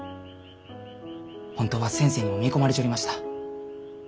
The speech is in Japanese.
本当は先生にも見込まれちょりました。